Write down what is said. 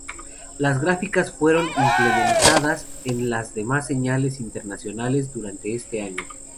Las gráficas fueron implementadas en las demás señales internacionales durante ese año.